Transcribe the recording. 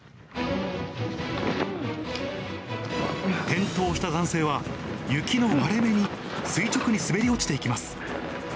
転倒した男性は、雪の割れ目に垂直に滑り落ちていきます。